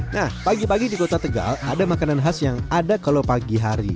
nah pagi pagi di kota tegal ada makanan khas yang ada kalau pagi hari